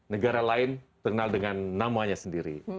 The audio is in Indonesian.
negara lain terkenal dengan namanya sendiri